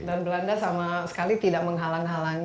dan belanda sama sekali tidak menghalang halangi